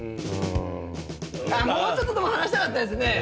もうちょっと話したかったですね。